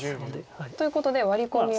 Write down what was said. ということでワリコミは。